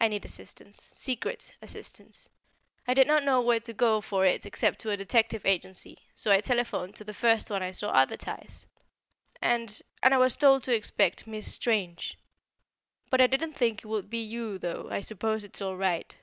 I need assistance secret assistance. I did not know where to go for it except to a detective agency; so I telephoned to the first one I saw advertised; and and I was told to expect Miss Strange. But I didn't think it would be you though I suppose it's all right.